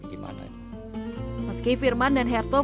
meski firman dan hertong fokus untuk melayani penyakit